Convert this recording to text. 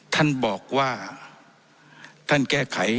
ท่านบัญฐานครับ